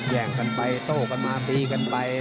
แย่งกันไปโต้กันมาตีกันไป